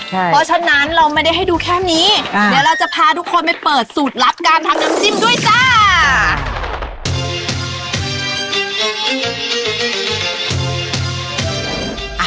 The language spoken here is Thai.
เพราะฉะนั้นเราไม่ได้ให้ดูแค่นี้เดี๋ยวเราจะพาทุกคนไปเปิดสูตรลับการทำน้ำจิ้มด้วยจ้า